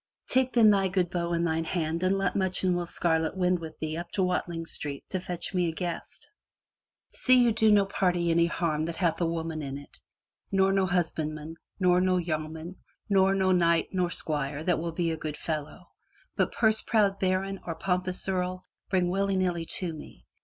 Take then thy good bow in thine hand and let Much and Will Scarlet wend with thee up to Watling Street to fetch me a guest. See ye do no party any harm that hath a 62 FROM THE TOWER WINDOW woman in it, nor no husbandman, nor no yeoman, nor no knight nor squire that will be a good fellow, but, purse proud baron or pompous earl, bring willy nilly to me.